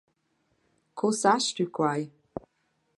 «Co sast tü quai?»